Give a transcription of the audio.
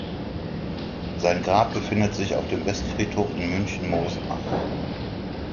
Sein Grab befindet sich auf dem Westfriedhof in München-Moosach.